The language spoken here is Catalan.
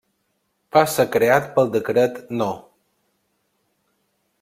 Va ser creat per decret No.